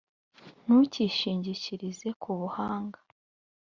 ntukishingikirize ku buhanga